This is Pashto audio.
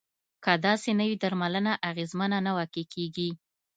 که داسې نه وي درملنه اغیزمنه نه واقع کیږي.